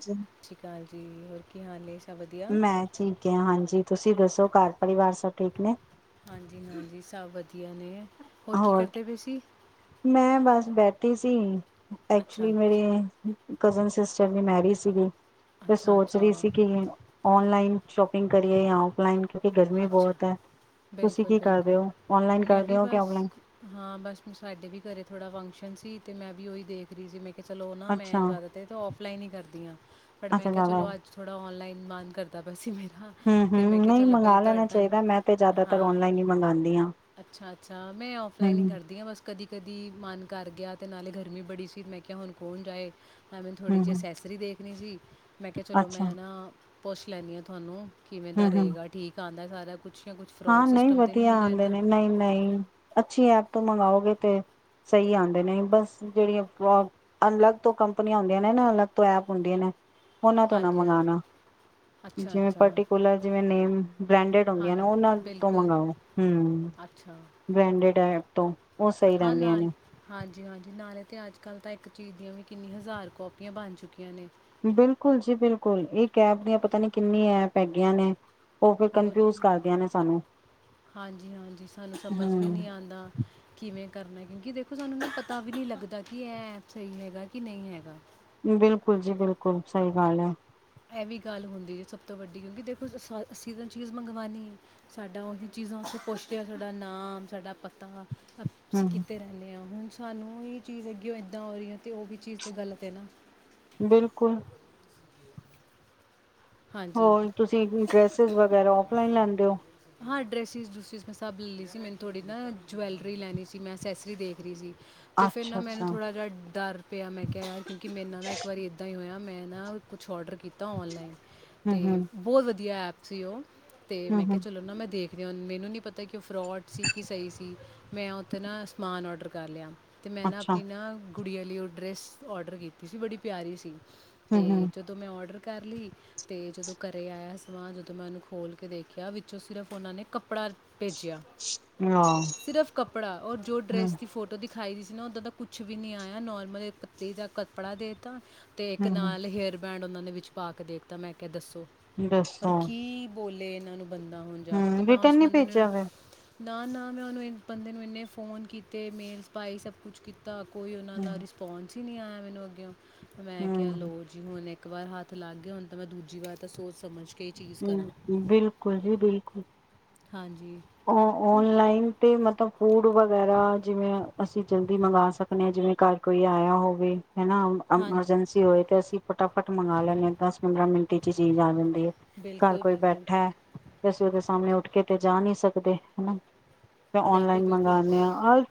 ਜੀ ਸਤਿ ਸ੍ਰੀ ਆਕਾਲ ਜੀ ਕੀ ਹਾਲ ਏ ਮੈਂ ਠੀਕ ਆ ਹਾਂਜੀ ਤੁਸੀਂ ਦੱਸੋ ਘਰ ਪਰਿਵਾਰ ਸਭ ਠੀਕ ਨੇ ਹਾਂਜੀ ਹਾਂਜੀ ਸਭ ਵਧੀਆ ਵਧੀਆ ਨੇ ਹੋਰ ਕੀ ਕਰਦੇ ਪਏ ਸੀ? ਮੈਂ ਬਸ ਬੈਠੀ ਸੀ ਅੱਛਾ ਐਕਚੁਲੀ ਅੱਛ- ਮੇਰੇ ਕਜ਼ਨ ਸਿਸਟਰ ਦੀ ਮੈਰਿਜ ਸੀਗੀ ਤੇ ਅੱਛਾ ਸੋਚ ਰਹੀ ਅੱਛਾ ਸੀ ਕਿ ਔਨਲਾਈਨ ਸ਼ੋਪਿੰਗ ਕਰੀਏ ਜਾਂ ਔਫਲਾਈਨ ਕਿਉਂਕਿ ਗਰਮੀ ਅੱਛਾ ਬਹੁਤ ਹੈ ਤੁਸੀਂ ਬਿਲਕੁਲ ਕੀ ਕਰਦੇ ਬਿਲਕੁਲ ਹੋ ਔਨਲਾਈਨ ਮੈਂ ਕਰਦੇ ਵੀ ਹੋ ਕਿ ਬਸ ਔਫਲਾਈਨ ਹਾਂ ਬਸ ਹੁਣ ਸਾਡੇ ਵੀ ਘਰੇ ਥੋੜ੍ਹਾ ਫੰਕਸ਼ਨ ਸੀ ਤੇ ਮੈਂ ਵੀ ਉਹੀ ਦੇਖ ਰਹੀ ਸੀ ਮੈਂ ਚਲੋ ਨਾ ਅੱਛਾ ਮੈਂ ਜਿਆਦਾਤਰ ਔਫਲਾਈਨ ਹੀ ਕਰਦੀ ਹਾਂ ਬਟ ਮੈਂ ਅੱਛਾ ਕਿਹਾ ਜ਼ਿਆਦਾ ਚਲੋ ਅੱਜ ਥੋੜ੍ਹਾ ਔਨਲਾਈਨ ਮੰਨ ਕਰਦਾ ਪਿਆ ਸੀ ਮੇਰਾ ਹਾਂ ਹਮ ਤੇ ਹਮ ਮੈਂ ਕਿਹਾ ਨਹੀਂ ਚਲੋ ਪਹਿਲੇ ਮੰਗਵਾ ਤੁਹਾਡੇ ਲੈਣਾ ਨਾਲ ਚਾਹੀਦਾ ਮੈਂ ਤੇ ਜ਼ਿਆਦਾਤਰ ਹਾਂ ਔਨਲਾਈਨ ਹੀ ਮੰਗਵਾਉਂਦੀ ਹਾਂ ਅੱਛਾ ਅੱਛਾ ਮੈਂ ਔਫਲਾਈਨ ਹੀ ਹਮ ਕਰਦੀ ਹਾਂ ਬਸ ਕਦੀ ਕਦੀ ਮਨ ਕਰ ਗਿਆ ਤੇ ਨਾਲੇ ਗਰਮੀ ਬੜੀ ਸੀ ਮੈਂ ਕਿਹਾ ਹੁਣ ਕੌਣ ਜਾਏ ਥੋੜੀ ਹਮ ਜਿਹੀ ਹਮ ਅਸੇਸਰੀ ਦੇਖ [unintelligible] ਮੈਂ ਕਿਹਾ ਚਲੋ ਅੱਛਾ ਮੈਂ ਨਾ ਪੁੱਛ ਲੈਂਦੀ ਹਾਂ ਤੁਹਾਨੂੰ ਕਿਵੇਂ ਦਾ ਹਮ ਹਮ ਰਹੇਗਾ ਠੀਕ ਆਉਂਦਾ ਸਾਰਾ ਕੁਛ ਜਾਂ ਕੁਛ ਹਾਂ ਫਰੋਡ ਨਹੀਂ ਸਿਸਟਮ ਤਾਂ ਵਧੀਆ ਹੁੰਦਾ ਆਉਂਦੇ ਇੱਦਾਂ ਨੇ ਨਹੀਂ ਨਹੀਂ ਅੱਛੀ ਐਪ ਤੋਂ ਮੰਗਓਗੇ ਤੇ ਸਹੀ ਆਉਂਦੇ ਨੇ ਬਸ ਜਿਹੜੀਆਂ ਅਲੱਗ ਤੋਂ ਕੰਪਨੀਆਂ ਹੁੰਦੀਆਂ ਨੇ ਨਾ ਅਲੱਗ ਤੋਂ ਐਪ ਹੁੰਦੀਆਂ ਨੇ ਉਹਨਾਂ ਤੋਂ ਨਾ ਹਾਂਜੀ ਹਾਂਜੀ ਮੰਗਉਣਾ ਅੱਛਾ ਜਿਵੇ ਅੱਛਾ ਪਰਟੀਕੁਲਰ ਜਿਵੇ ਮੈਨ ਬਰੈਂਡਡ ਹਾਂ ਹੁੰਦੀਆ ਉਹਨਾ ਉਸਤੋਂ ਬਿਲਕੁਲ ਮੰਗਾਓ ਹਮ ਅੱਛਾ ਬ੍ਰੈਂਡਡ ਐਪ ਤੋਂ ਹਾਂ ਰਹਿੰਦੀਆਂ ਨਾਲ ਨੇ ਹਾਂਜੀ ਹਾਂਜੀ ਨਾਲੇ ਅਤੇ ਅੱਜ ਕੱਲ੍ਹ ਤਾਂ ਇੱਕ ਚੀਜ਼ ਦੀਆਂ ਵੀ ਕਿੰਨੀ ਹਜ਼ਾਰ ਕੋਪੀ ਬਣ ਚੁੱਕੀਆਂ ਨੇ ਬਿਲਕੁਲ ਜੀ ਬਿਲਕੁਲ ਇੱਕ ਐਪ ਦੀਆ ਪਤਾ ਨੀ ਕਿੰਨੀਆ ਐਪ ਹੈਗੀਆਂ ਨੇ ਉਹ ਫਿਰ ਹੋਰ ਕਨਫਿਊਜ ਕੀ ਕਰਦੀਆਂ ਨੇ ਸਾਨੂੰ ਹਾਂਜੀ ਹਾਂਜੀ ਸਾਨੂੰ ਸਮਝ ਵੀ ਹੂੰ ਨਹੀਂ ਆਉਂਦਾ ਕਿਵੇਂ ਕਰਨਾ ਕਿਉਂਕਿ ਦੇਖੋ ਸਾਨੂੰ ਮੈਨੂੰ ਪਤਾ ਵੀ ਨਹੀਂ ਲੱਗਦਾ ਕਿ ਇਹ ਐਪ ਸਹੀ ਹੈਗਾ ਕਿ ਨਹੀਂ ਹੈਗਾ ਬਿਲਕੁਲ ਜੀ ਬਿਲਕੁਲ ਸਹੀ ਗੱਲ ਹੈ ਇਹ ਵੀ ਗੱਲ ਹੁੰਦੀ ਜੀ ਸਭ ਤੋਂ ਵੱਡੀ ਕਿਉਂਕਿ ਦੇਖੋ ਅਸੀਂ ਤਾਂ ਚੀਜ਼ ਮੰਗਵਾਉਂਦੇ ਹਾਂ ਸਾਡਾ ਉਹੀ ਚੀਜ਼ਾਂ ਅਸੀਂ ਪੁੱਛਦੇ ਹਾਂ ਸਾਡਾ ਨਾਮ ਸਾਡਾ ਪਤਾ ਅਸੀਂ ਹੂੰ ਕਿੱਥੇ ਰਹਿੰਦੇ ਹਾਂ ਹੁਣ ਸਾਨੂੰ ਹੀ ਚੀਜ਼ ਹੈਗੀ ਉਹ ਇਦਾਂ ਹੋ ਰਹੀ ਹੈ ਤੇ ਉਹ ਵੀ ਚੀਜ਼ ਤੇ ਗਲਤ ਹੈ ਨਾ ਬਿਲਕੁਲ ਹਾਂਜੀ ਹੋਰ ਤੁਸੀਂ ਡਰੈੱਸਿਸ ਵਗੈਰਾ ਆਫਫਲਾਈਨ ਲੈਂਦੇ ਹੋ ਡਰੈਸਿਸ ਡਰੂਸਿਸ ਮੈਂ ਸਭ ਲੈ ਲਈ ਸੀ ਮੈਨੂੰ ਥੋੜ੍ਹੀ ਨਾ ਜੁਵੈਲਰੀ ਲੈਣੀ ਸੀ ਮੈਂ ਅਸੈਸਰੀ ਦੇਖ ਰਹੀ ਸੀ ਅਤੇ ਫਿਰ ਨਾ ਅੱਛਾ ਮੈਨੂੰ ਅੱਛਾ ਥੋੜ੍ਹਾ ਜਿਹਾ ਡਰ ਪਿਆ ਮੈਂ ਕਿਹਾ ਕਿਉਂਕਿ ਮੇਰੇ ਨਾਲ ਨਾ ਇੱਕ ਵਾਰੀ ਇੱਦਾਂ ਹੀ ਹੋਇਆ ਮੈਂ ਨਾ ਕੁਛ ਔਡਰ ਕੀਤਾ ਔਨਲਾਈਨ ਹੂੰ ਹੂੰ ਤੇ ਬਹੁਤ ਵਧੀਆ ਐਪ ਸੀ ਓ ਤੇ ਹੂੰ ਮੈਂ ਕਿਹਾ ਹੂੰ ਚਲੋ ਨਾ ਮੈਂ ਦੇਖ ਮੈਨੂੰ ਨੀ ਪਤਾ। ਕਿ ਫਰੋਡ ਸੀ ਕਿ ਸਹੀ ਸੀ ਮੈਂ ਉੱਥੇ ਨਾ ਸਮਾਨ ਔਡਰ ਕਰ ਲਿਆ। ਤੇ ਮੈਂ ਨਾ ਅੱਛਾ ਆਪਣੀ ਨਾ ਗੁੰਡਿਆਂ ਲਈ ਉਹ ਡਰੈਸ ਔਡਰ ਕੀਤੀ ਸੀ ਬੜੀ ਪਿਆਰੀ ਸੀ। ਹੂੰ ਤੇ ਹੂੰ ਜਦੋਂ ਮੈਂ ਔਡਰ ਕਰ ਲਈ। ਤੇ ਜਦੋਂ ਘਰੇ ਆਇਆ ਸਮਾਨ ਜਦੋਂ ਮੈਂ ਉਹਨੂੰ ਖੋਲ ਕੇ ਦੇਖਿਆ ਵਿੱਚੋਂ ਸਿਰਫ ਉਹਨਾਂ ਨੇ ਕੱਪੜਾ ਭੇਜਿਆ ਹਾਂ ਸਿਰਫ ਕੱਪੜਾ ਔ ਜੋ ਹੂੰ ਡਰੈਸ ਦੀ ਫੋਟੋ ਦੀ ਖਾਈ ਦੀ ਸੀ ਨਾ ਓਦਾਂ ਦਾ ਕੁੱਛ ਵੀ ਨੀ ਆਇਆ ਨੋਰਮਲ ਇਕ ਪ ਜਾ ਕੱਪੜਾ ਦੇ ਤਾ। ਤੇ ਇੱਕ ਹੂੰ ਨਾਲ ਹੂੰ ਹੇਅਰ ਬੈਂਡ ਉਹਨਾਂ ਨੇ ਵਿੱਚ ਪਾ ਕੇ ਦੇ ਤਾਂ ਮੈਂ ਕਿਹਾ ਦੱਸੋ ਪਰ ਦੱਸੋ ਕੀ ਬੋਲੇ। ਓਹਨਾਂ ਨੂੰ ਬੰਦਾ ਹੁਣ ਜਾ ਕੇ ਤੇ ਹੂੰ ਮੈਂ ਰਿਟਰਨ ਉਸ ਨੀ ਬੰਦੇ ਨੂੰ ਭੇਜਿਆ ਫਿਰ ਨਾ ਨਾ ਮੈਂ ਉਹਨੂੰ ਬੰਦੇ ਨੂੰ ਇੰਨੇ ਫੋਨ ਕੀਤੇ ਮੇਲਸ ਪਾਏ ਸਭ ਕੁਛ ਕੀ ਤਾਂ ਕੋਈ ਉਹਨਾਂ ਹੂੰ ਦਾ ਰਿਸਪੋਂਸ ਨਹੀਂ ਆਇਆ ਮੈਨੂੰ ਅੱਗਿਓ। ਮੈਂ ਕਿਹਾ ਹੂੰ ਲਓ ਜੀ ਹੁਣ ਇੱਕ ਵਾਰ ਹੱਥ ਲਗ ਗਏ ਹੁਣ ਤਾਂ ਦੂਜੀ ਵਾਰ ਤਾਂ ਸੋਚ ਸਮਝ ਕ ਹੂੰ, ਬਿਲਕੁਲ ਜੀ ਬਿਲਕੁਲ। ਹਾਂਜੀ ਔ ਔਨਲਾਈਨ ਤੇ ਮਤਲਬ ਹੋ ਵਗੈਰਾ ਜਿਵੇਂ ਅਸੀਂ ਜਲਦੀ ਮੰਗਾ ਸਕਦੇ ਹਾਂ ਜਿਵੇਂ ਘਰ ਕੋਈ ਆਇਆ ਹੋਵੇ। ਹੈਨਾ ਹਾਂ ਅਮਰਜੈਂਸੀ ਹੋਏ ਤੇ ਅਸੀ ਫਟਾਫਟ ਮੰਗਾ ਲੈਂਨੇ ਹਾਂ ਦਸ ਪੰਦਰਾਂ ਮਿੰਟ ਚ ਚੀਜ਼ ਆ ਜਾਂਦੀ। ਘਰ ਬਿਲਕੁਲ ਕੋਈ ਬਿਲਕੁਲ ਬੈਠਾ ਏ ਤੇ ਅਸੀ ਉਹਦੇ ਸਾਹਮਣੇ ਕੇ ਤੇ ਜਾ ਨਹੀਂ ਸਕ ਦੇ ਹਨਾ। ਤਾ ਬਿਲਕੁਲ ਔਨਲਾਈਨ ਬਿਲਕੁਲ ਮੰਗਾਉਣੇ ਆ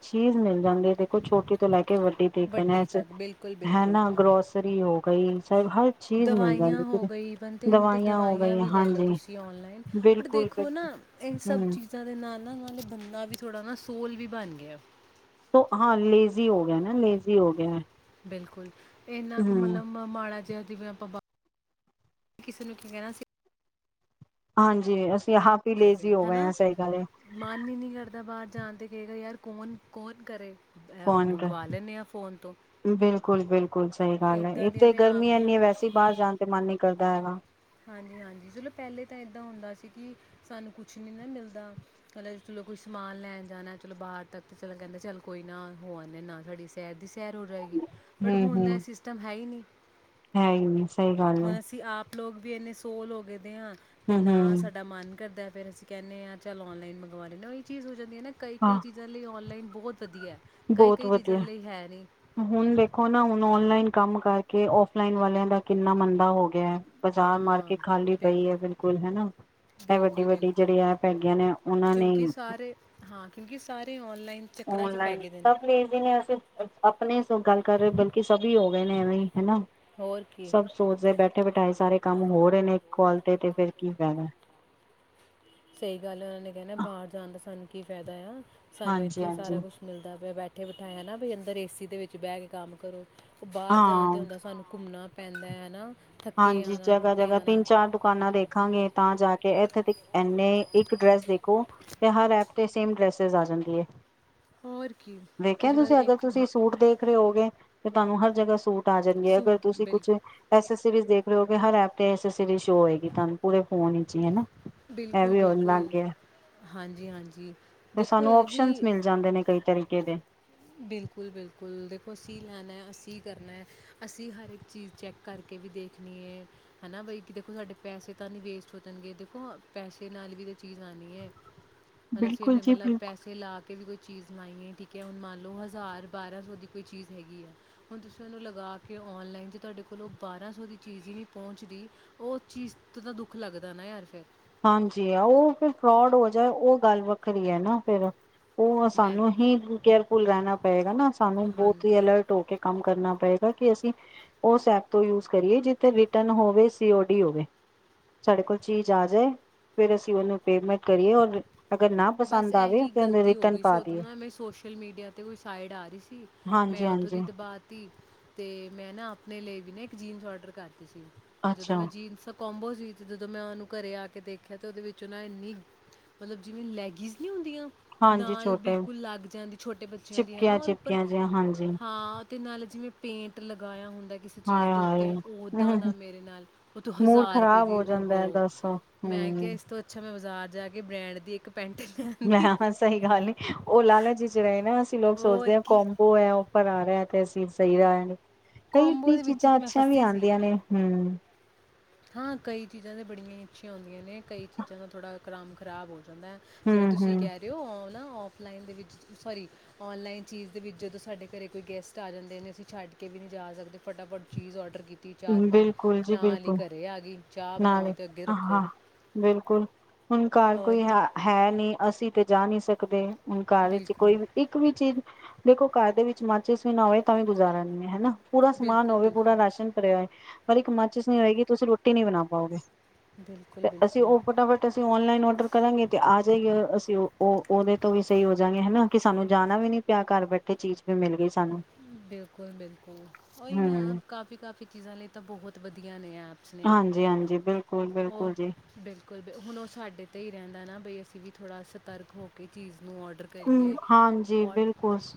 [unintelligible] ਜਾਂਦੇ ਦੇਖੋ ਛੋਟੀ ਤੋਂ ਲੈ ਕੇ ਵੱਡੀ ਤੀਕਨ ਵੱਡੀ ਹੈਸ ਤੱਕ ਬਿਲਕੁਲ ਬਿਲਕੁਲ ਹੈਨਾ ਗਰੋਸਰੀ। [unintelligible] ਸਭ ਹਰ ਚੀਜ਼ ਮਿਲ ਦਵਾਈਆਂ ਜਾਂਦੀ ਹੋ ਫਿਰ ਗਈ ਬਣ ਤੇ ਹੁਣ ਤੇ ਹੋ ਦਵਾਈਆਂ ਗਈਆਂ ਵੀ ਲੈ ਲਓ ਹਾਂਜੀ ਤੁਸੀਂ ਓਨਲਾਈਨ ਪਰ ਬਿਲਕੁਲ ਦੇਖੋ ਨਾ ਬਿਲਕੁਲ ਇਹ ਸਭ ਹੂੰ ਚੀਜ਼ਾਂ ਚੀਜਾ ਦੇ ਨਾਲ ਨਾ ਹੁਣ ਬੰਦਾ ਵੀ ਥੋੜ੍ਹਾ ਨਾ ਸੋਲ ਵੀ ਬਣ ਗਿਆ ਹਾਂ ਲੇਜ਼ੀ ਹੋ ਗਿਆ ਨਾ ਲੇਜ਼ੀ ਹੋ ਗਿਆ ਬਿਲਕੁਲ ਇੰਨਾ ਕੁ ਹੂੰ ਮਤਲਬ ਮਾੜਾ ਵੇ ਆਪਾਂ ਕਿਸੇ ਨੂੰ ਕੀ ਕਹਿਣਾ ਸੀ ਹਾਂਜੀ ਅ ਯਹਾਂ ਪੇ ਸਕਦੇ ਲੇਜ਼ੀ ਹਾਂ ਹੋ ਹਨਾ ਗਏ ਸਹੀ ਕਹਿ ਰਹੇ ਹੋ ਜਾਣਦੇ ਕਈ ਵਾਰ ਯਾਰ ਕੌਣ ਕੌਣ ਕਰੇ ਕੌਣ ਕਰ, ਮੰਗਵਾ ਲੈਂਦੇ ਹਾਂ ਫੋਨ ਤੋਂ ਬਿਲਕੁਲ ਬਿਲਕੁਲ ਸਹੀ ਗੱਲ ਹੈ ਇਦਾਂ ਦੀਆਂ ਇੱਥੇ ਤੇ ਗਰਮੀ ਇੰਨੀ ਹੈ ਆਪਦੀਆਂ ਵੈਸੇ ਬਾਹਰ ਜਾਣ ਤੇ ਮਨ ਨੀ ਕਰਦਾ [unintelligible] ਹਾਂਜੀ ਹਾਂਜੀ ਚਲੋ ਪਹਿਲੇ ਤਾਂ ਇਦਾਂ ਹੁੰਦਾ ਸੀ ਕਿ ਸਾਨੂੰ ਕੁਛ ਨੀ ਨਾ ਮਿਲਦਾ ਕ ਚਲੋ ਕੋਈ ਸਮਾਨ ਲੈਣ ਜਾਣਾ ਚਲੋ ਬਾਹਰ ਤੱਕ ਚਲੋ ਕਹਿੰਦੇ ਚੱਲ ਕੋਈ ਨਾ ਹੋ ਆਨੇ ਨਾਲ ਸਾਡੀ ਸੈਰ ਦੀ ਸੈਰ ਹੋ ਜਾਏਗੀ ਬਟ ਹੂੰ ਹੁਣ ਤਾਂ ਇਹ ਹੂੰ ਸਿਸਟਮ ਹੈ ਹੀ ਨਹੀਂ ਹੈ ਹੀ ਸਹੀ ਗੱਲ ਹੈ ਹੁਣ ਅਸੀਂ ਆਪ ਲੋਕ ਵੀ ਇੰਨੇ ਸੋਲ ਹੋ ਗਏ ਦੇ ਆ ਤੇ ਹੂੰ ਨਾ ਹੂੰ ਸਾਡਾ ਮਨ ਕਰਦਾ ਫੇਰ ਅਸੀਂ ਕਹਿੰਦੇ ਹਾਂ ਚੱਲ ਔਨਲਾਈਨ ਮੰਗਵਾ ਲੈਂਦੇ ਓਹ ਹੀ ਚੀਜ਼ ਹੋ ਜਾ ਨਾ ਕਈ ਕਈ ਹਾਂ ਚੀਜ਼ਾਂ ਲਈ ਔਨਲਾਈਨ ਬਹੁਤ ਵਧੀਆ ਹੈ, ਕਈ ਬਹੁਤ ਕਈ ਵਧੀਆ ਚੀਜ਼ਾਂ ਲਈ ਹੈ ਨਹੀਂ ਹੁਣ ਦੇਖੋ ਨਾ ਹੁਣ ਓਨਲਾਈਨ ਕੰਮ ਕਰਕੇ ਕੇ ਆਫਲਾਈਨ ਵਾਲਿਆਂ ਦਾ ਕਿੰਨਾ ਮੰਦਾ ਹੋ ਗਿਆ ਹੈ ਬਜ਼ਾਰ ਹਾਂ ਮਾਰਕੀਟ ਖਾਲੀ ਬਿਲ ਪਈ ਹੈ ਬਿਲਕੁਲ ਹਨਾ ਇਹ ਵੱਡੀ ਬਿਲਕੁਲ ਵੱਡੀ ਬਿਲਕੁਲ ਜਿਹੜੀ ਐਪ ਹੈਗੀਆਂ ਨੇ ਉਹਨਾਂ ਨੇ ਕਿਉਂਕਿ ਸਾਰੇ ਹਾਂ ਕਿਉਂਕਿ ਸਾਰੇ ਆਨਲਾਈਨ ਚੱਕਰਾਂ 'ਚ ਪੈ ਓਨਲਾਈਨ ਗਏ ਦੇ ਨੇ ਸਭ ਵੇਖਦੇ ਨੇ ਅਸੀਂ ਆਪਣੇ ਗੱਲ ਕਰ ਰਹੇ ਬਲਕਿ ਸਭ ਹੀ ਹੋ ਗਏ ਨੇ ਐਵੇਂ ਹਨਾ ਹੋਰ ਕੀ ਸਭ ਸੋਚਦੇ ਬੈਠੇ ਬਿਠਾਏ ਸਾਰੇ ਕੰਮ ਹੋਰ ਇੱਕ [unintelligible] ਤੇ ਤੇ ਫਿਰ ਕੀ ਫਾਇਦਾ ਸਹੀ ਗੱਲ ਉਹਨਾਂ ਨੇ ਕਹਿਣਾ ਬਾਹਰ ਜਾਣ ਦਾ ਸਾਨੂੰ ਕੀ ਫਾਇਦਾ ਆ ਸਾਨੂੰ ਹਾਂਜੀ ਇੱਥੇ ਹੀ ਸਾਰਾ ਹਾਂਜੀ ਕੁਛ ਮਿਲਦਾ ਪਿਆ ਬੈਠੇ ਬੈਠੇ ਬਿਠਾਏ ਹਨਾ ਬ ਅੰਦਰ ਏਸੀ ਦੇ ਵਿੱਚ ਬਹਿ ਕੇ ਕੰਮ ਕਰੋ ਬਾਹਰ ਜਾਣ ਤੇ ਹਾਂ ਹੁੰਦਾ ਸਾਨੂੰ ਘੁੰਮਣਾ ਪੈਂਦਾ ਹੈ ਨਾ ਥੱਕੇ ਹਾਂਜੀ ਆਣਾ ਜਗ੍ਹਾ ਟੁੱਟੇ ਜਗ੍ਹਾ ਆਣਾ ਤਿੰਨ ਚਾਰ ਦੁਕਾਨਾਂ ਦੇਖਾਂਗੇ ਤਾਂ ਜਾ ਕੇ ਇੱਥੇ ਦੇ ਇੰਨੇ ਇੱਕ ਡ੍ਰੈਸ ਦੇਖੋ ਤੇ ਹਰ ਐਪ ਤੇ ਸੇਮ ਡ੍ਰੈਸ ਆ ਜਾਂਦੀ ਹੈ ਹੋਰ ਕੀ ਦੇੇਖਿਆ ਬਸ ਤੁਸੀਂ ਅਗਰ ਇੱਕ ਤੁਸੀਂ ਹਾਂ ਸੂਟ ਦੇਖ ਰਹੇ ਹੋਗੇ ਸਾਨੂੰ ਹਰ ਜਗ੍ਹਾ ਸੂਟ ਤਾਂ ਜਾਂਦੀ ਹੈ ਅਗਰ ਸੂਟ ਤੁਸੀਂ ਬਿਲ ਕੁਛ ਐ ਡਰੈੱਸ ਦੇਖ ਰਹੇ ਹੋ ਕਿ ਹਰ ਐਪ ਤੇ ਐਸੇ [unintelligible] ਹੋਏਗੀ ਤੁਹਾਨੂੰ ਪੂਰੇ ਫੋਨ ਵਿੱਚ ਹੀ ਹਨਾ ਇਹ ਬਿਲਕੁਲ ਵੀ ਹੋਣ ਲੱਗ ਬਿਲਕੁਲ ਗਿਆ ਹਾਂਜੀ ਹਾਂਜੀ ਤੇ ਦੇਖੋ ਸਾਨੂੰ ਇਹ ਓਪਸ਼ਨ ਵੀ ਮਿਲ ਜਾਂਦੇ ਨੇ ਕਈ ਤਰੀਕੇ ਦੇ ਬਿਲਕੁਲ ਬਿਲਕੁਲ ਦੇਖੋ ਅਸੀਂ ਲੈਣਾ ਅਸੀਂ ਕਰਨਾ ਅਸੀਂ ਹਰ ਇੱਕ ਚੀਜ਼ ਚੈੱਕ ਕਰਕੇ ਵੀ ਦੇਖਣੀ ਹਨਾ ਬਈ ਕਿ ਦੇਖੋ ਸਾਡੇ ਪੈਸੇ ਤਾਂ ਨਹੀਂ ਵੇਸਟ ਹੋ ਜਾਣਗੇ ਦੇਖੋ ਪੈਸੇ ਨਾਲ ਵੀ ਤਾਂ ਚੀਜ਼ ਆਣੀ ਹੈ ਮਤਲਬ ਅਸੀਂ ਬਿਲਕੁਲ ਉਹਨੇ ਜੀ ਮਤਲਬ ਬਿਲਕੁਲ ਪੈਸੇ ਲਾ ਕੇ ਵੀ ਕੋਈ ਚੀਜ਼ ਮੰਗਈ ਏ ਠੀਕ ਐ ਹੁਣ ਮੰਨ ਲਓ ਹਜ਼ਾਰ ਬਾਰਾਂ ਸੌ ਦੀ ਕੋਈ ਚੀਜ਼ ਹੈਗੀ ਆ ਹੁਣ ਤੁਸੀਂ ਉਹਨੂੰ ਲਗਾ ਕੇ ਔਨਲਾਈਨ ਜੇ ਤੁਹਾਡੇ ਕੋਲੋਂ ਬਾਰਾਂ ਸੌ ਦੀ ਚੀਜ਼ ਹੀ ਨਹੀਂ ਪਹੁੰਚਦੀ ਉਹ ਚੀਜ਼ ਤੋਂ ਤਾਂ ਦੁੱਖ ਲੱਗਦਾ ਨਾ ਯਾਰ ਫਿਰ ਹਾਂਜੀ ਆ ਉਹ ਫਿਰ ਫਰੋਡ ਹੋ ਜਾਏ ਉਹ ਗੱਲ ਵੱਖਰੀ ਹੈ ਨਾ ਫਿਰ ਉਹ ਮੈਂ ਸਾਨੂੰ ਹੀ ਕੇਅਰਫੁਲ ਰਹਿਣਾ ਪਏਗਾ ਨਾ ਸਾਨੂੰ ਬਹੁਤ ਹਾਂਜੀ ਹੀ ਅਲਰਟ ਹੋ ਕੇ ਕੰਮ ਕਰਨਾ ਪਏਗਾ ਕਿ ਅਸੀਂ ਉਸ ਐਪ ਤੋਂ ਯੂਜ ਕਰੀਏ ਜਿੱਥੇ ਰਿਟਰਨ ਹੋਵੇ ਸੀਓ ਡੀ ਹੋਵੇ ਸਾਡੇ ਕੋਲ ਚੀਜ਼ ਆ ਜੇ ਫਿਰ ਅਸੀਂ ਉਹਨੂੰ ਪੇਮੈਂਟ ਕਰੀਏ ਔਰ ਅਗਰ ਨਾ ਬਸ ਪਸੰਦ ਆਵੇ ਇਹੀ ਤੇ ਉਹਨੂੰ ਗ਼ਲਤੀ ਹੋ ਰਿਟਰਨ ਗਈ ਸੀ ਪਾ ਉਦੋਂ ਦੀਏ ਨਾ ਮੈਂ ਸੋਸ਼ਲ ਮੀਡੀਆ ਤੇ ਕੋਈ ਸਾਈਡ ਆ ਰਹੀ ਸੀ ਮੈਂ ਹਾਂਜੀ ਉੱਥੋਂ ਦੀ ਹਾਂਜੀ ਦਬਾ ਤੀ। ਤੇ ਮੈਂ ਨਾ ਆਪਣੇ ਲਈ ਵੀ ਨਾ ਇੱਕ ਜੀਨਸ ਆਰਡਰ ਕਰ ਸੀ ਤੇ ਜਦੋਂ ਅੱਛਾ ਮੈਂ ਜੀਨ ਸਭ ਕੋਂਬੋ ਸੀ ਤੇ ਜਦੋਂ ਮੈਂ ਉਹਨੂੰ ਘਰੇ ਆ ਕੇ ਦੇਖਿਆ ਤੇ ਉਹਦੇ ਵਿੱਚ ਉਹਨਾਂ ਇੰਨੀ ਮਤਲਬ ਜਿਵੇਂ ਲੈਗੀਜ਼ ਨਹੀਂ ਹੁੰਦੀਆਂ ਹਾਂਜੀ ਨਾਲ ਛੋਟੇ ਬਿਲਕੁਲ ਲੱਗ ਜਾਂਦੀ ਛੋਟੇ ਬੱਚਿਆਂ ਦੀ ਹਨਾ ਚਿਪਕੀਆਂ ਔਰ ਉੱਪਰ ਚਿਪਕੀਆਂ ਜਿਹੀਆਂ ਹਾਂਜੀ ਹਾਂ ਤੇ ਨਾਲ ਜਿਵੇਂ ਪੇਂਟ ਲਗਾਇਆ ਹੁੰਦਾ ਕਿਸੇ ਚੀਜ਼ ਹਾਏ ਦੇ ਉੱਤੇ ਓਦਾਂ ਦਾ ਹਾਏ ਮੇਰੇ ਨਾਲ ਉਹ ਤੂੰ ਮੂਡ ਹਜ਼ਾਰ ਰੁਪਏ ਖ਼ਰਾਬ ਦੀ ਹੋ ਜਾਂਦਾ ਹੈ ਉਹ ਦੱਸੋ ਮੈਂ ਕਿਹਾ ਹਮ ਇਸ ਤੋਂ ਅੱਛਾ ਮੈਂ ਜਾ ਕੇ ਬ੍ਰੈਂਡ ਦੀ ਇੱਕ ਪੈਂਟ ਲੈਣੀ ਮੈਂ ਸਹੀ ਗੱਲ ਨੀ ਉਹ ਲਾਲਾ ਜੀ ਚ ਰਹੇ ਨਾ ਅਸੀਂ ਲੋਕ ਔਰ ਸੋਚਦੇ ਹਾਂ ਕੀ ਕੰਬੋ ਹੈ ਆਫਰ ਆ ਮੈਂ ਤੇ ਅਸੀਂ ਸਹੀ [unintelligible] ਕੋਂਬੋ ਕਈ ਦੇ ਵਿੱਚ ਹੀ ਚੀਜ਼ਾਂ ਤੇ ਮੈਂ ਅੱਛੀਆਂ ਵੀ ਫਸੀ ਸੀ ਆਂਦੀਆਂ ਨੇ ਹੂੰ ਹਾਂ ਕਈ ਚੀਜ਼ਾਂ ਤੇ ਬੜੀਆਂ ਹੀ ਅੱਛੀਆਂ ਹੁੰਦੀਆਂ ਨੇ ਕਈ ਚੀਜ਼ਾਂ ਦਾ ਥੋੜ੍ਹਾ ਕਮ ਖਰਾਬ ਹੋ ਦਾ ਜਿਵੇਂ ਹਮ ਤੁਸੀਂ ਕਹਿ ਹਮ ਰਹੇ ਹੋ ਨਾ ਔਫਲਾਈਨ ਦੇ ਵਿੱਚ ਸੋਰੀ ਔਨਲਾਈਨ ਚੀਜ਼ ਦੇ ਵਿੱਚ ਜਦੋਂ ਸਾਡੇ ਘਰ ਕੋਈ ਗੈਸਟ ਆ ਜਾਂਦੇ ਨੇ ਅਸੀਂ ਛੱਡ ਕੇ ਵੀ ਨਹੀਂ ਜਾ ਸਕਦੇ ਫਟਾਫਟ ਚੀਜ਼ ਔਡਰ ਕੀਤੀ ਚਾਰ ਪੰਜ ਬਿਲਕੁਲ ਜੀ ਨਾਲ ਬਿਲਕੁਲ [unintelligible] ਨਾਲੇ ਅਤੇ ਅੱਗੇ ਆਹ ਰੱਖੋ ਹਾਂ ਬਿਲਕੁਲ ਹੁਣ ਘਰ ਔਰ ਕੋਈ ਹੈ ਹੈ ਨਹੀਂ ਅਸੀਂ ਤੇ ਜਾ ਨੀ ਸਕਦੇ ਹੁਣ ਘਰ ਵਿੱਚ ਬਿਲਕੁਲ ਕੋਈ ਵੀ ਇੱਕ ਵੀ ਚੀਜ਼ ਦੇਖੋ ਘਰ ਦੇ ਵਿੱਚ ਮਾਚਿਸ ਵੀ ਨਾ ਹੋਵੇ ਤਾਂ ਵੀ ਗੁਜ਼ਾਰਾ ਨੀ ਹੈ ਹਨਾ ਪੂਰਾ ਸਮਾਨ ਬਿਲਕੁਲ ਹੋਵੇ ਪੂਰਾ ਬਿਲਕੁਲ ਰਾਸ਼ਨ ਭਰਿਆ ਪਰ ਇੱਕ ਮਾਚਿਸ ਨਹੀਂ ਹੋਏਗੀ ਤੁਸੀਂ ਰੋ ਟੀ ਨੀ ਬਣਾ ਪਾਓਗੇ ਬਿਲਕੁਲ ਤੇ ਅਸੀਂ ਬਿਲਕੁਲ ਉਹ ਫਟਾਫਟ ਅਸੀਂ ਓਨਲਾਈਨ ਔਡਰ ਕਰਾਂਗੇ ਤੇ ਆ ਸਹੀ ਅਸੀਂ ਉਹ ਉਹ ਉਹਦੇ ਤੋਂ ਵੀ ਸਹੀ ਹੋ ਜਾਂਗੇ ਹਨਾ ਕਿ ਸਾਨੂੰ ਜਾਣਾ ਵੀ ਨੀ ਪਿਆ ਘਰ ਬੈਠੇ ਚੀਜ਼ ਵੀ ਮਿਲ ਗਈ ਸਾਨੂੰ ਬਿਲਕੁਲ ਬਿਲਕੁਲ ਉਹੀ ਨਾ ਹਮ ਕਾਫੀ ਕਾਫ਼ੀ ਚੀਜ਼ਾਂ ਲਈ ਤਾਂ ਬਹੁਤ ਵਧੀਆ ਨੇ ਐਪ ਹਾਂਜੀ ਹਾਂਜੀ ਬਿਲਕੁਲ ਬਿਲਕੁਲ ਜੀ ਬਿਲਕੁਲ ਬ ਹੁਣ ਉਹ ਸਾਡੇ ਤੇ ਹੀ ਰਹਿੰਦਾ ਨਾ ਬਈ ਅਸੀਂ ਵੀ ਥੋੜ੍ਹਾ ਸਤਰਕ ਹੋ ਕੇ ਚੀਜ਼ ਨੂੰ ਔਡਰ ਹਮ ਕਰੀਏ ਹਾਂਜੀ ਔਡ ਬਿਲਕੁਲ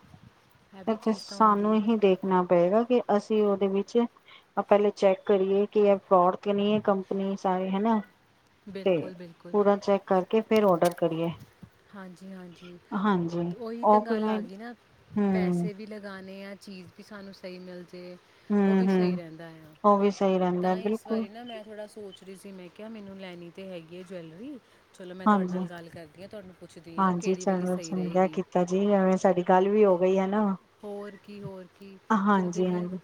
ਸਾਨੂੰ ਇਹੀ ਦੇਖਣਾ ਪਏਗਾ ਕਿ ਅਸੀ ਉਹਦੇ ਵਿੱਚ ਪਹਿਲੇ ਚੈੱਕ ਕਰੀਏ ਕਿ ਇਹ ਫਰੋਡ ਤੇ ਨਹੀ ਹੈ ਕੰਪਨੀ ਸਾਰੇ ਹਨਾ ਤੇ ਬਿਲਕੁਲ ਬਿਲਕੁਲ ਪੂਰਾ ਚੈੱਕ ਕਰਕੇ ਫਿਰ ਔਡਰ ਕਰੀਏ ਹਾਂਜੀ ਹਾਂਜੀ ਹਾਂਜੀ ਓਹੀ ਤਾਂ ਗੱਲ ਆ ਔਫਲਾਈਨ ਗਈ ਨਾ ਹੂੰ ਪੈਸੇ ਵੀ ਲਗਾ ਨੇ ਚੀਜ਼ ਵੀ ਸਾਨੂੰ ਸਹੀ ਮਿਲਦੀ ਅਤੇ ਉਹ ਹੂੰ ਵੀ ਸਹੀ ਹੂੰ ਰਹਿੰਦਾ ਆ ਉਹ ਵੀ ਸਹੀ ਰਹਿੰਦਾ ਤਾਂ ਹੀ ਇਸ ਬਿਲਕੁਲ ਬਾਰੀ ਨਾ ਮੈਂ ਥੋੜ੍ਹਾ ਸੋਚ ਰਹੀ ਸੀ ਮੈਂ ਕਿਹਾ ਮੈਨੂੰ ਲੈਣੀ ਤੇ ਹੈਗੀ ਹੈ ਜਵੈਲਰੀ ਚਲੋ ਮੈਂ ਤੁਹਾਡੇ ਨਾਲ ਹਾਂਜੀ ਗੱਲ ਹਾਂ ਤੁਹਾਨੂੰ ਪੁੱਛਦੀ ਹਾਂ ਹਾਂਜੀ ਕਿਹੜੀ ਵਾਲੀ ਚਲੋ ਸਹੀ ਚੰਗਾ ਰਹੇਗੀ ਕੀਤਾ ਜੀ ਐਵੇਂ ਸਾਡੀ ਗੱਲ ਵੀ ਹੋ ਗਈ ਹਨ ਹੋਰ ਕੀ ਹੋਰ ਕੀ ਚਲੋ ਹਾਂਜੀ ਜਿਵੇਂ ਹਾਂਜੀ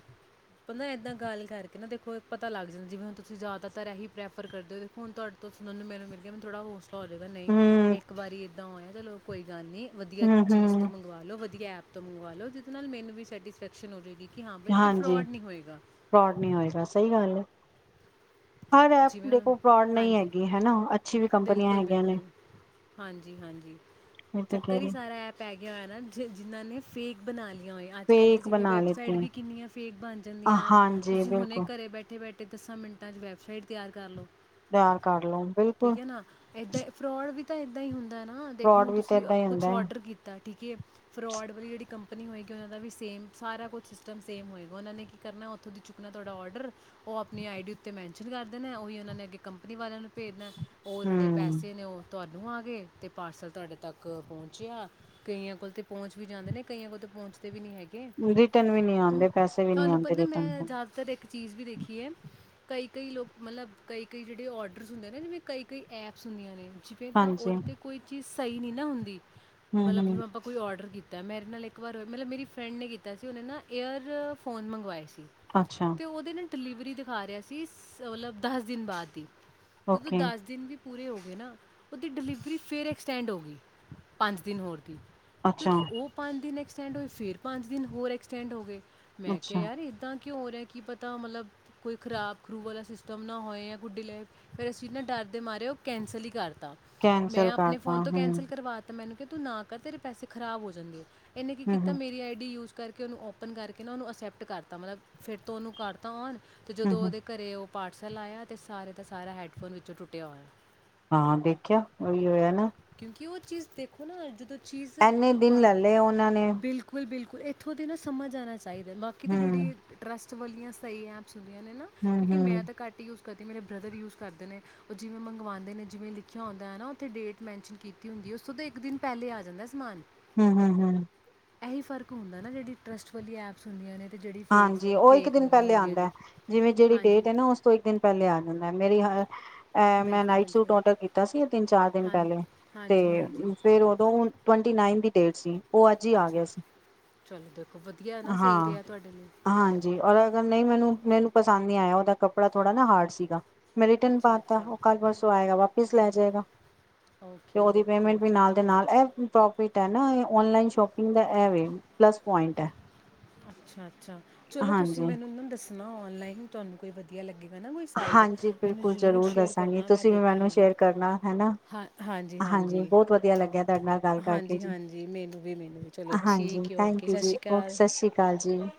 ਪਤਾਂ ਏਦਾਂ ਗੱਲ ਕਰਕੇ ਨਾ ਦੇੋ ਪਤਾ ਲੱਗਦਾ ਜਿਵੇਂ ਹੁਣ ਤੁਸੀ ਜ਼ਿਆਦਾਤਰ ਇਹੀ ਪ੍ਰੈਫਰ ਕਰਦੇ ਹੋਖੋ ਹੁਣ ਤੁਹਾਡੇ ਤੋਂ ਸੁਣਨ ਨੂੰ ਮਿਲ ਗਿਆ ਮੈ ਥੋੜਾ ਹੋ ਨਹੀਂ ਹੂੰ ਇੱਕ ਵਾਰੀ ਦਾਂ ਹੋ ਚਲੋ ਕੋਈ ਗੱਲ ਨਹੀਂੀ ਵਧੀਆ ਹੂੰ ਚੀਜ਼ ਤੋਂ ਹੂੰ ਮੰਗਵਾ ਲੋ ਵਧੀਆ [unintelligible] ਜਿਦੇ ਨਾਲ ਮੈਨੂੰ ਵੀ ਸੈਟਿਸਫੈਕਸ਼ਨ ਹੋ ਜਾਵੇਗੀ ਹਾਂਜੀ ਫਰੋਡ ਨੀ ਹੋਏਗਾ ਸਹੀ ਗੱਲ ਐ। ਜਿਵੇਂ ਹੁਣ ਫਰੋਡ ਨਹੀਂ ਹਾਂਜੀ, ਹੈਗੀ ਹਨਾ ਅੱਛੀ ਵੀ ਕੰਪਨੀਆਂ ਬਿਲਕੁਲ ਹੈਗੀਆਂ ਨੇ ਬਿਲਕੁਲ, ਹਾਂਜੀ ਹਾਂਜੀ, ਮੈਂ ਤੇ ਕਹਿ ਚੱਕਰ ਰਹੀ ਹੀ ਸਾਰਾ ਐ ਪੈ ਗਿਆ ਹੋਇਆ ਨਾ ਜਿਨ੍ਹਾਂ ਨੇ- ਫੇਕ ਬਣਾ ਲੇ- ਆ ਹੋਈਆਂ, ਅੱਜ ਕੱਲ੍ਹ ਤੇ ਜਿਵੇਂ ਵੈਬਸਾਈਟ ਵੀ ਕਿੰਨੀਆਂ ਫੇਕ ਬਣ ਜਾਂਦੀਆਂ, ਤੁਸੀਂ ਹੁਣੇ ਘਰੇ ਬੈਠੇ ਬੈਠੇ- ਤੇ ਦਸਾਂ ਮਿੰਟਾਂ ਚ ਵੈਬਸਾਈਟ- ਤਿਆਰ ਕਰ ਲਓ। ਤਿਆਰ ਕਰ ਲਓ ਬਿਲਕੁਲ- ਠੀਕ ਹੈ ਨਾ ਇਦਾਂ ਫਰਾਡ ਵੀ ਤਾਂ ਇਦਾਂ ਹੂ ਹੁੰਦਾ ਨਾ ਦੇਖੋ ਹੁਣ ਤੁਸੀਂ ਹੁੰਦਾ ਕੁਛ ਹੈ ਔਡਰ ਕੀਤਾ ਠੀਕ ਹੈ ਫਰੋਡ- ਉਹ ਵੀ ਜਿਹੜੀ ਕੰਪਨੀ ਹੋਏਗੀ ਉਹਨਾਂ ਦਾ ਵੀ ਸੇਮ ਸਾਰਾ ਕੁਛ ਸਿਸਟਮ ਸੇਮ ਹੋਏਗਾ, ਉਹਨਾਂ ਨੇ ਕੀ ਕਰਨਾ, ਉੱਥੋਂ ਦੀ ਚੁੱਕਣਾ ਤੁਹਾਡਾ ਔਡਰ ਉਹ ਆਪਣੀ ਆਈ ਡੀ ਉੱਤੇ ਮੈਨਸ਼ਨ ਕਰ- ਦੇਣਾ, ਉਹੀ ਉਹਨਾਂ ਨੇ ਅੱਗੇ ਕੰਪਨੀ ਵਾਲਿਆਂ ਨੂੰ ਭੇਜਦਾ- ਉਹ ਜਿਹੜੇ ਹਮ ਪੈਸੇ ਨੇ ਉਹ- ਤੁਹਾਨੂੰ ਆ ਗਏ ਅਤੇ ਪਾਰਸਲ ਤੁਹਾਡੇ ਤੱਕ ਪਹੁੰਚਿਆ, ਕਈਆਂ ਕੋਲ ਤਾਂ ਪਹੁੰਚ ਵੀ ਜਾਂਦੇ ਨੇ ਕਈਆਂ ਕੋਲ ਤਾਂ ਪਹੁੰਚਦੇ ਵੀ ਨਹੀਂ ਹੈ- ਰਿਟਨ ਵੀ ਨੀ ਆਂਦੇ ਪੈਸੇ ਵੀ ਨੀ ਪਤਾ ਰਿਟਨ- ਮੈਂ ਜ਼ਿਆਦਾਤਰ ਇੱਕ ਚੀਜ਼ ਵੀ ਦੇਖੀ ਹੈ ਕਈ ਕਈ ਲੋਕ- ਮਤਲਬ ਕਈ ਕਈ ਜਿਹੜੇ ਔਡਰਸ ਹੁੰਦੇ ਨੇ ਜਿਵੇਂ ਕਈ ਕਈ ਐਪਸ ਹੁੰਦੀਆਂ ਨੇ- ਜਿਵੇਂ ਤਾਂ ਹਾਂਜੀ ਔਰ ਤਾਂ ਕੋਈ ਚੀਸ- ਸਹੀ ਨਹੀਂ ਨਾ ਹੁੰਦੀ- ਹਮ ਮਤਲਬ ਹਮ ਆਪਾਂ ਕੋਈ ਔਡਰ ਕੀ- ਕੀਤਾ ਮੇਰੇ ਨਾਲ ਇੱਕ ਵਾਰ ਹੋਇਆ ਮਤਲਬ ਮੇਰੀ ਫਰੈਂਡ ਨੇ ਕੀਤਾ ਸੀ ਉਹਨੇ ਨਾ ਏਅਰ ਫੋਨ ਮੰਗਵਾਏ ਸੀ- ਅੱਛਾ। ਤੇ ਉਹਦੇ ਨਾ ਡਿਲੀਵਰੀ ਦਿਖਾ ਰਿਹਾ ਸੀ ਮਤਲਬ ਦਸ ਦਿਨ ਬਾਅਦ ਦੀ- ਜਦੋਂ ਓਕੇ ਦੱਸ ਦਿਨ ਵੀ- ਪੂਰੇ ਹੋ ਗਏ ਨਾ ਉਹਦੀ ਡਿਲੀਵਰੀ ਫਿਰ ਐਕਸਟੈਂਡ ਹੋ ਗਈ। ਪੰਜ ਦਿਨ ਹੋਰ- ਅੱਛਾ ਜਦੋਂ ਉਹ ਪੰਜ ਦਿਨ ਐਕਸ- ਐਕਸਟੈਂਡ ਹੋਏ ਫਿਰ ਪੰਜ ਦਿਨ ਹੋਰ ਐਕਸਟੈਂਡ ਹੋ ਗੇ। ਮੈਂ ਕਿਹਾ ਅੱਛਾ ਯਾਰ ਏਦਾਂ- ਕਿਉਂ ਰਿਹਾ ਕੀ ਪਤਾ ਮਤਲਬ ਕੋਈ ਖਰਾਬ ਖਰੂ ਵਾਲਾ ਸਿ- ਸਿਸਟਮ ਨਾ ਹੋਏ ਜਾਂ ਡਿਲੇ ਫਿਰ ਅਸੀਂ ਨਾ ਡਰਦੇ ਮਾਰੇ ਉਹ ਕੈਂਸਲ ਹੀ ਕਰ- ਦਿੱਤਾ ਮੈਂ ਕੈਂਸਲ ਆਪਣੇ ਕਰਤਾ ਫੋਨ ਤੋਂ ਹਮ ਕੈਂਸਲ ਕਰਵਾ ਤਾ ਮੈਨੂੰ ਕ- ਤੂੰ ਨਾ ਕਰ ਤੇਰੇ ਪੈਸੇ ਖਰਾਬ ਹੋ ਜਾਂਦੇ ਆ। ਇਹਨੇ ਕੀ ਹਮ ਹਮ ਕੀਤਾ ਮੇਰੀ ਆਈ ਡੀ ਯੂਜ- ਕਰਕੇ ਉਹਨੂੰ ਓਪਨ ਕਰਕੇ ਨਾ ਉਹਨੂੰ ਅਕਸੈਪਟ ਕਰਤਾ ਮਤਲਬ ਫਿਰ ਤੋਂ ਉਹਨੂੰ ਕਰਤਾ ਔਨ- ਤੇ ਹਮ ਜਦੋਂ ਹਮ ਉਹਦੇ ਘਰੇ ਉਹ- ਪਾਰਸਲ ਆਇਆ ਅਤੇ ਸਾਰੇ ਦਾ ਸਾਰਾ ਹੈੱਡਫੋਨ ਵਿੱਚੋਂ ਟੁੱਟਿਆ ਹੋਇਆ ਹਾਂ ਦੇਖਿਆ ਉਹੀ ਹੋਇਆ ਨਾ ਕਿ ਉਹ ਚੀਜ਼ ਦੇਖੋ ਨਾ ਜਦੋਂ ਚੀਜ਼ ਇਨੇ ਦਿਨ ਲੈ ਲਏ ਉਹਨਾਂ ਨੇ ਇਥੋਂ ਦੇ ਨਾ ਸਮਝ ਆਉਣਾ [unintelligible] ਹਮ ਜਿਹੜੇ ਟਰੱਸਟ ਵਾਲੀਆ ਸਹੀ ਹੈ ਐਪਸ ਹੁੰਦੀਆਂ ਨੇ ਨਾ ਹਮ ਕਿਉਂਕਿ ਮੈਂ ਹਮ ਤਾਂ ਘੱਟ ਯੂਜ ਕਦੇ ਮੇਰੇ ਬ੍ਰਦਰ ਯੂਜ ਕਰਦੇ ਨੇ ਉਹ ਜਿਵੇਂ ਮੰਗਵਾਉਦੇ ਨੇ ਜਿਵੇਂ ਲਿਖਿਆ ਹੁੰਦਾ ਹੈ ਨ ਡੇਟ ਮੈਨਸ਼ਨ ਕੀਤੀ ਹੁੰਦੀ ਉਸ ਤੋਂ ਤਾਂ ਇੱਕ ਦਿਨ ਪਹਿਲੇ ਆ ਜਾਂਦਾ ਸਮਾਨ ਹਮ ਹਮ ਹਮ ਇਹੀ ਫਰਕ ਹੁੰਦਾ ਨਾ ਜਿਹੜੀ ਟਰੱਸਟ ਵਾਲੀ ਐਪਸ ਹੁੰਦੀਆਂ ਨੇ ਤੇ ਜਿਹੜੀ ਫੇਕਸ ਹਾਂਜੀ ਵਾਲੀ ਉਹ ਇੱਕ ਫੇਕ ਦਿਨ ਵਾਲੀਆਂ ਪਹਿਲੇ ਹੁੰਦੀਆਂ ਆਉਂਦਾ ਨੇ ਜਿਵੇਂ ਜਿਹੜੀ ਹਾਂਜੀ ਡੇਟ ਹੈ ਨਾ ਉਸ ਤੋਂ ਇੱਕ ਦਿਨ ਪਹਿਲੇ ਆ ਜਾਂਦਾ ਮੇਰੀ [unintelligible] ਅ ਮੈਂ ਬਿਲਕੁਲ ਨਾਈਟ ਸੂਟ ਬਿਲਕੁਲ ਔਡਰ ਕੀਤਾ ਸੀ ਤਿੰਨ ਚਾਰ ਦਿਨ ਹਾਂਜੀ ਪਹਿਲੇ ਤੇ ਹਾਂਜੀ ਹਾਂਜੀ ਫੇਿਰ ਉਦੋਂ ਟਵੰਟੀ ਨਾਈਨ ਦੀ ਡੇਟ ਸੀ ਉਹ ਅੱਜ ਹੀ ਆ ਗਿਆ ਅੱਛਾ ਸੀ ਚਲੋ ਦੇਖੋ ਵਧੀਆ ਨਾ ਸਹੀ ਹਾਂ ਰਿਹਾ ਤੁਹਾਡੇ ਲਈ ਹਾਂਜੀ ਔਰ ਅਗਰ ਨਹੀਂ ਮੈਨੂੰ ਮੈਨੂੰ ਪਸੰਦ ਨਹੀਂੀ ਆਇਆ ਉਹਦਾ ਕੱਪੜਾ ਥੋੜਾ ਨਾ ਹਾਰਡ ਸੀਗਾ ਮੈਂ ਰਿਟਨ ਪਾ ਅੱਛਾ ਤਾ ਅੱਛਾ ਉਹ ਕੱਲ ਪਰਸੋਂ ਆਏਗਾ ਵਾਪਿਸ ਲੈ ਅੱਛਾ ਜਾਏਗਾ ਤੇ ਓਕੇ ਉਹਦੀ ਓਕੇ ਪੇਮੈਂਟ ਵੀ ਨਾਲ ਦੇ ਨਾਲ ਪ੍ਰੋ ਤੇ ਆਨਲਾਈਨ ਸ਼ੌਪਿੰਗ ਦਾ ਇਹ ਵੈ ਪਲੱਸ ਪੁਆਇੰਟ ਹੈ ਅੱਛਾ ਅੱਛਾ ਚਲੋ ਤੁਸੀਂ ਹਾਂਜੀ ਮੈਨੂੰ ਇਹ ਨੂੰ ਦੱਸਣਾ ਔਨਲਾਈਨ ਤੁਹਾਨੂੰ ਕੋਈ ਵਧੀਆ ਕੀ ਲੱਗੇ ਹਾਂਜੀ ਬਿਲਕੁਲ ਜਰੂਰ ਦੱਸਾਂਗੇ ਕਰਨਾ ਮੈਂ ਤੁਸੀਂ ਵੀ ਮੈਨੂੰ ਦੇਖਾਂਗੀ ਸ਼ੇਅਰ ਕਰਨਾ ਹਨਾ ਹਾ ਹਾਂਜੀ ਬਹੁਤ ਵਧੀਆ ਲੱਗਿਆ ਤੁਹਾਡੇ ਨਾਲ ਗੱਲ ਕਰਕੇ ਹਾਂਜੀ ਹਾਂਜੀ ਮੈਨੂੰ ਵੀ ਮੈਨੂੰ ਵੀ ਚਲੋ ਠੀਕ ਹੈ ਓਕੇ ਸਤਿ ਸ਼੍ਰੀ ਅਕਾਲ ਜੀ